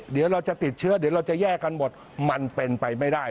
เดี๋ยวเราจะติดเชื้อเดี๋ยวเราจะแยกกันหมดมันเป็นไปไม่ได้